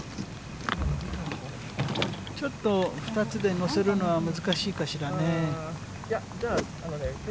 ちょっと２つで乗せるのは難しいかしらね。